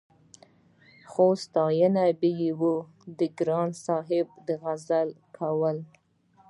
خو ستاينې به يې د ګران صاحب د غزل کولې-